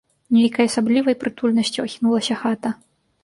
Нейкай асаблівай прытульнасцю ахінулася хата.